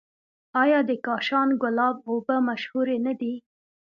آیا د کاشان ګلاب اوبه مشهورې نه دي؟